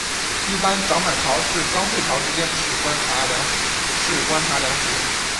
一般涨满潮至刚退潮之间是观察良时。